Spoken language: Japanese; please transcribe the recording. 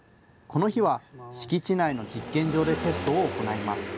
この日は敷地内の実験場でテストを行います。